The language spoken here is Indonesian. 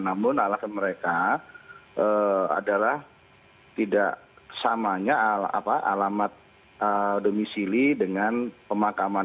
namun alasan mereka adalah tidak samanya alamat domisili dengan pemakaman